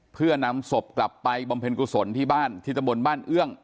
เพื่อนำศพกลับไปบำเพ็ญกุศลที่บ้านที่ตะบนบ้านเอื้อง